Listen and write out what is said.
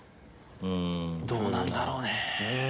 どうなんだろうね。